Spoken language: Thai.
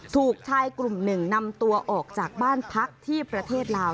ถูกชายกลุ่มหนึ่งนำตัวออกจากบ้านพักที่ประเทศลาว